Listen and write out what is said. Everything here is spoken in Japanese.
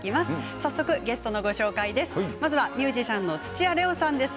早速ゲストのご紹介です。